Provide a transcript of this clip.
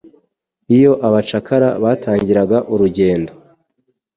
Iyo abacakara batangiraga urugendo,